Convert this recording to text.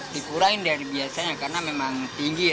dikurangin dari biasanya karena memang tinggi ya